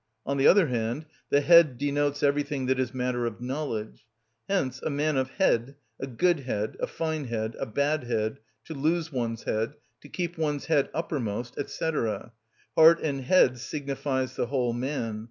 On the other hand, the head denotes everything that is matter of knowledge. Hence a man of head, a good head, a fine head, a bad head, to lose one's head, to keep one's head uppermost, &c. Heart and head signifies the whole man.